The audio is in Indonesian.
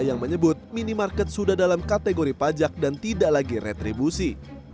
yang menyebut minimarket sudah dalam kategori pajak dan tidak lagi retribusi